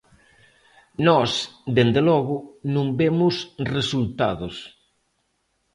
Nós, dende logo, non vemos resultados.